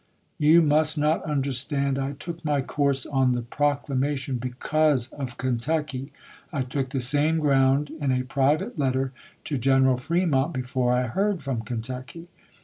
You must not understand I took my course on the proclamation hecause of Kentucky. I took the same ground in a private letter to General Fremont before I heard from Kentucky.